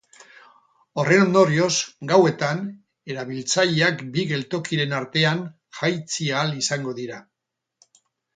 Horren ondorioz, gauetan, erabiltzaileak bi geltokiren artean jaitsi ahal izango dira.